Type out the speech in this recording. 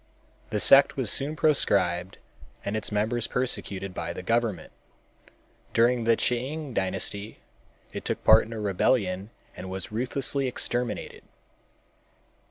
The sect was soon proscribed and its members persecuted by the government. During the Ch'ing dynasty it took part in a rebellion and was ruthlessly exterminated.